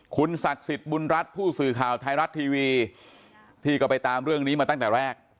คุณศักดิ์สิทธิ์บุญรัฐผู้สื่อข่าวไทยรัฐทีวีที่ก็ไปตามเรื่องนี้มาตั้งแต่แรก